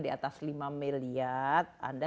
di atas lima miliar anda